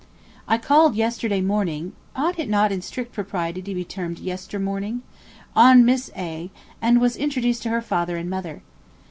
I called yesterday morning (ought it not in strict propriety to be termed yester morning?) on Miss A. and was introduced to her father and mother.